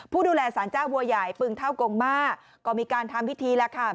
ผู้ดูแลสารเจ้าบัวใหญ่ปึงเท่ากงมาก็มีการทำพิธีแล้วค่ะ